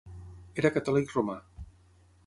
Era catòlic romà.